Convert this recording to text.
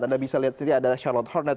anda bisa lihat di sini ada charlotte hornets